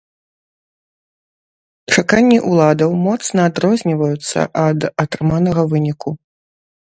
Чаканні уладаў моцна адрозніваюцца ад атрыманага выніку.